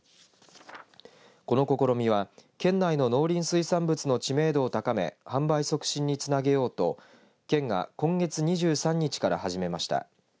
この試みは県内の農林水産物の知名度を高め販売促進につなげようと県が今月２３日から始めました。